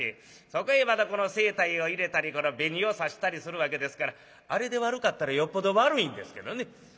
そこへまたこの青黛を入れたり紅をさしたりするわけですからあれで悪かったらよっぽど悪いんですけどね。